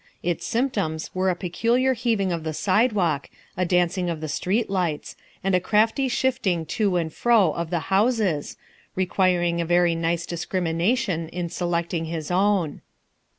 Its symptoms were a peculiar heaving of the sidewalk, a dancing of the street lights, and a crafty shifting to and fro of the houses, requiring a very nice discrimination in selecting his own.